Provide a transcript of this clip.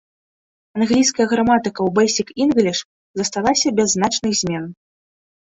Англійская граматыка ў бэйсік-інгліш засталася без значных змен.